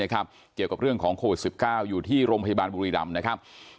เกี่ยวกับเรื่องของโควิด๑๙อยู่ที่โรงพยาบาลบุรีรำนะครับ